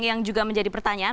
yang juga menjadi pertanyaan